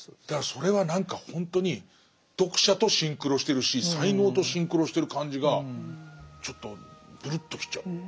だからそれは何かほんとに読者とシンクロしてるし才能とシンクロしてる感じがちょっとブルッときちゃう。